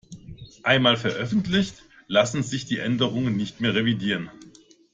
Einmal veröffentlicht, lassen sich die Änderungen nicht mehr revidieren.